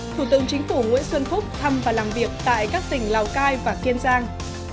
thủ tướng chính phủ nguyễn xuân phúc thăm và làm việc tại các tỉnh lào cai và kiên giang